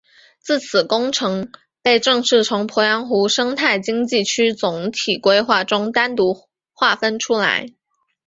自此工程被正式从鄱阳湖生态经济区总体规划中单独划分出来。